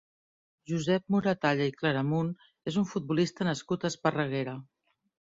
Josep Moratalla i Claramunt és un futbolista nascut a Esparreguera.